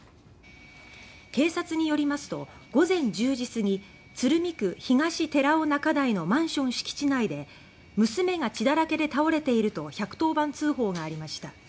警察によりますと午前１０時すぎ鶴見区東寺尾中台のマンション敷地内で「娘が血だらけで倒れている」と１１０番通報がありました。